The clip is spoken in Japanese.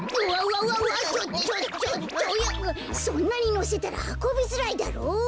そんなにのせたらはこびづらいだろ！